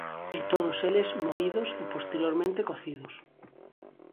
E todos eles moídos e posteriormente cocidos.